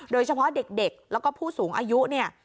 โดยเฉพาะเด็กแล้วก็ผู้สูงอายุเนี่ย